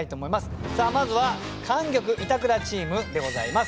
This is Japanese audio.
さあまずは莟玉・板倉チームでございます。